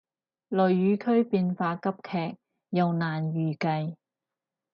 雷雨區變化急劇又難預計